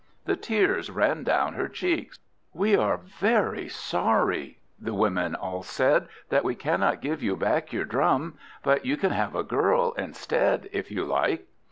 The tears ran down her cheeks. "We are very sorry," the women all said, "that we cannot give you back your Drum; but you can have a Girl instead, if you like."